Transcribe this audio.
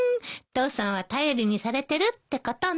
父さんは頼りにされてるってことね。